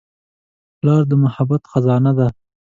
پلار د محبت خزانه ده.